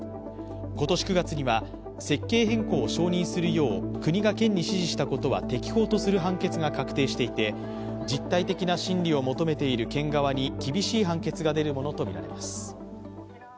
今年９月には設計変更を承認するよう国が県に指示したことは適法とする判決が確定していて、実態的な審理を求めている県側に厳しい判決が出るものとみられます。